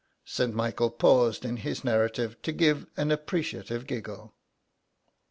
'" St. Michael paused in his narrative to give an appreciative giggle.